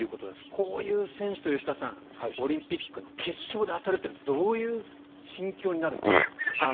こういう選手と吉田さんオリンピックの決勝で当たるというのはどういう心境になるんですかね？